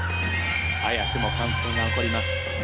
早くも歓声が起こります。